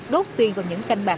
đốt tiền vào những canh bạc